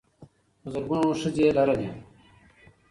په زرګونه ښځې لرلې.